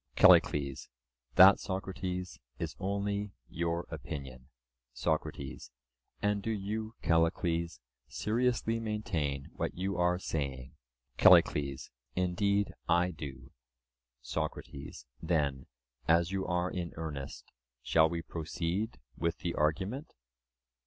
CALLICLES: That, Socrates, is only your opinion. SOCRATES: And do you, Callicles, seriously maintain what you are saying? CALLICLES: Indeed I do. SOCRATES: Then, as you are in earnest, shall we proceed with the argument?